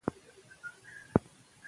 دا ستونزه پخوا هم وه.